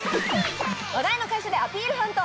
話題の会社でアピールハント！